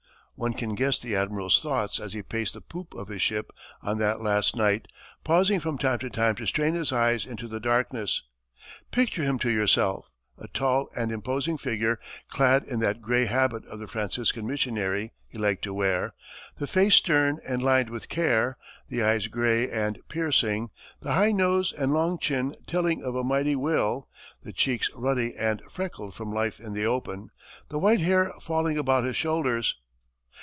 One can guess the Admiral's thoughts as he paced the poop of his ship on that last night, pausing from time to time to strain his eyes into the darkness. Picture him to yourself a tall and imposing figure, clad in that gray habit of the Franciscan missionary he liked to wear; the face stern and lined with care, the eyes gray and piercing, the high nose and long chin telling of a mighty will, the cheeks ruddy and freckled from life in the open, the white hair falling about his shoulders.